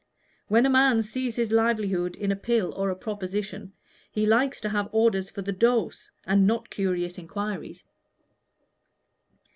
When a man sees his livelihood in a pill or a proposition, he likes to have orders for the dose, and not curious enquiries."